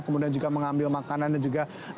kemudian juga mengambil makanan dan juga